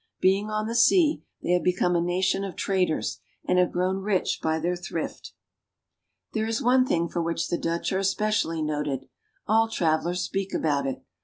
Being on the sea, they have become a nation of traders, and have grown rich by their thrift. There is one thing for which the Dutch are especially noted. All travelers speak about it.